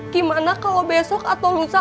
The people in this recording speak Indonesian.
gimana kalau besok atau lusa